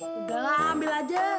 udah lah ambil aja